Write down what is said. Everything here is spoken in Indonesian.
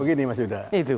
begini mas yuda